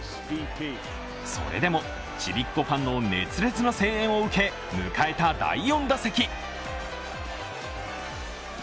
それでも、ちびっこファンの熱烈な声援を受け迎えた第４打席。